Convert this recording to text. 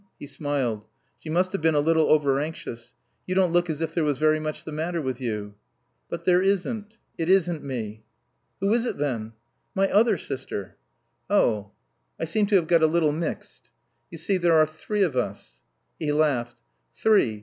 He smiled. "She must have been a little overanxious. You don't look as if there was very much the matter with you." "But there isn't. It isn't me." "Who is it then?" "My other sister." "Oh. I seem to have got a little mixed." "You see, there are three of us." He laughed. "Three!